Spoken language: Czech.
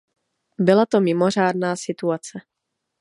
Byla to mimořádná situace.